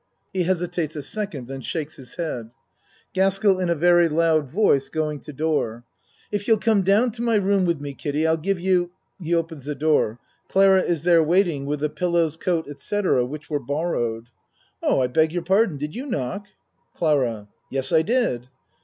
(He hesitates a second, then shakes his head.) GASKELL (In a very loud voice, going to door.) If you'll come down to my room with me, Kiddie, I'll give you (He opens the door Clara is there waiting, with the pillows, coat, etc., which were borrowed.) Oh, I beg your pardon, did you knock ? CLARA Yes, I did.